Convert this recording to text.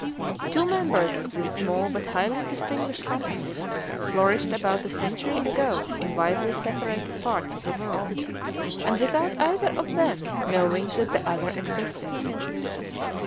Two members of this small but highly distinguished company flourished about a century ago in widely separated parts of the world, and without either of them knowing that the other existed.